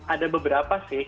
ada beberapa sih